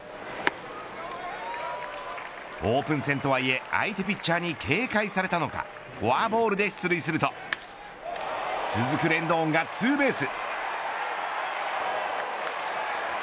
オープン戦とはいえ相手ピッチャーに警戒されたのかフォアボールで出塁すると続くレンドンがツーベース。